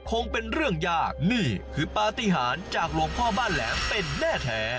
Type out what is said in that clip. คงเป็นเรื่องยากนี่คือปฏิหารจากหลวงพ่อบ้านแหลมเป็นแน่แท้